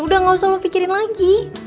udah gak usah lo pikirin lagi